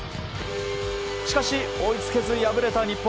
しかし、追いつけず敗れた日本。